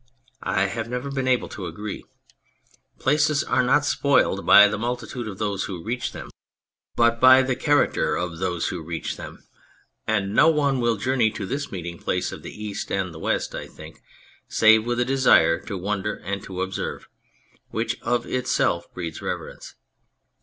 I have never been able to agree. Places are not spoiled by the multitude of those who reach them, but by the 165 On Anything character of those who reach them, and no one will journey to this meeting place of the East and the West, I think, save with a desire to wonder and to observe, which of itself breeds reverence.